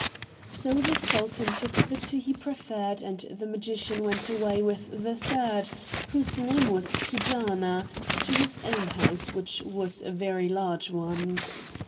So the sultan took the two he preferred, and the magician went away with the third, whose name was Keejaa'naa, to his own house, which was a very large one.